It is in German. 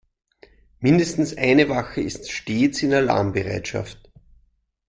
Mindestens eine Wache ist stets in Alarmbereitschaft.